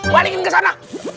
balikin ke sana